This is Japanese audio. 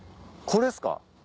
これっすか？